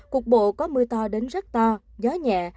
cục bộ có mưa to đến rất to gió nhẹ